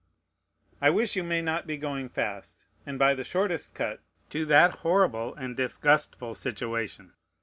I wish you may not be going fast, and by the shortest cut, to that horrible and disgustful situation.